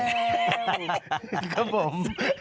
ครับผม